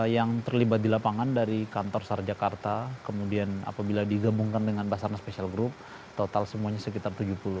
yang terlibat di lapangan dari kantor sarjakarta kemudian apabila digabungkan dengan basarnas special group total semuanya sekitar tujuh puluh